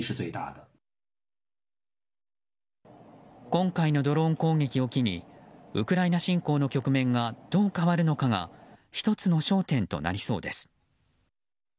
今回のドローン攻撃を機にウクライナ侵攻の局面がどう変わるのかが１つの焦点となりそうです。